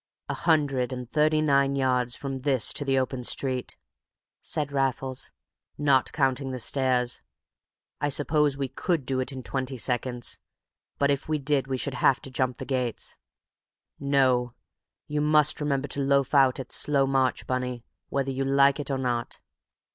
"A hundred and thirty nine yards from this to the open street," said Raffles, "not counting the stairs. I suppose we could do it in twenty seconds, but if we did we should have to jump the gates. No, you must remember to loaf out at slow march, Bunny, whether you like it or not."